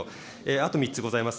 あと３つございます。